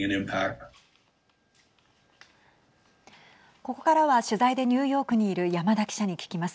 ここからは取材でニューヨークにいる山田記者に聞きます。